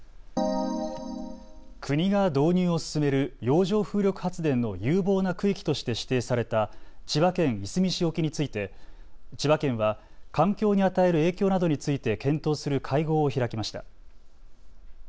国が導入を進める洋上風力発電の有望な区域として指定された千葉県いすみ市沖について千葉県は環境に与える影響などについて検討する会合を開きました。